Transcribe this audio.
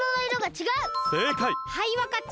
はいわかった。